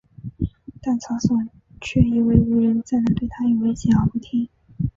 但曹爽却以为无人再能对他有威胁而不听。